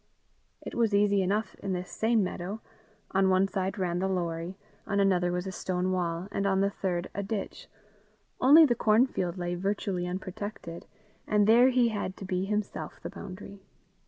It was easy enough in this same meadow: on one side ran the Lorrie; on another was a stone wall; and on the third a ditch; only the cornfield lay virtually unprotected, and there he had to be himself the boundary.